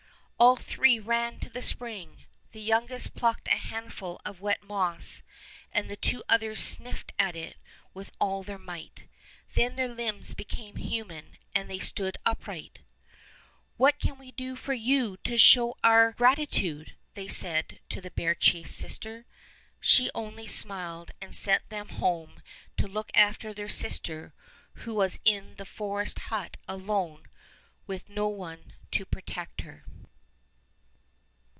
All three ran to the spring, the youngest plucked a handful of wet moss, and the two others sniffed at it with all their might. Then their limbs became human, and they stood upright. "What can we do for you to show our Fairy Tale Bears 79 gratitude?" they said to the bear chief's sister. She only smiled and sent them home to look after their sister who was in the forest hut alone with no one to protect her.